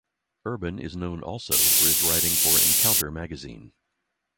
Urban is known also for his writing for "Encounter" magazine.